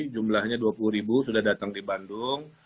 jumlahnya dua puluh ribu sudah datang di bandung